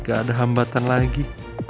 gak ada hambatan lagi